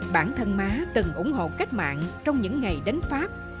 bản thân má từng ủng hộ cách mạng trong những ngày đánh pháp